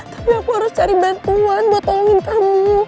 tapi aku harus cari bantuan buat tolongin kamu